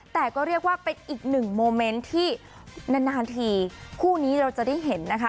แต่ก็เรียกว่าเป็นอีกหนึ่งโมเมนต์ที่นานนานทีคู่นี้เราจะได้เห็นนะคะ